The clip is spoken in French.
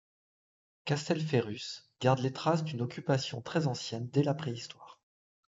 Castelferrus garde les traces d'une occupation très ancienne dès la préhistoire.